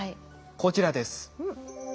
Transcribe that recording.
こちらです。